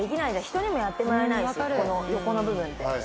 人にもやってもらえないしこの横の部分って。